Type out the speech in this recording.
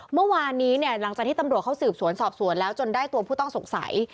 เมื่อวานนี้เนี่ยหลังจากที่ตำรวจเขาสืบสวนสอบสวนแล้วจนได้ตัวผู้ต้องสงสัย